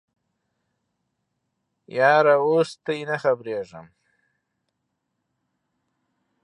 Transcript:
یاره اوس تې نه خبریږم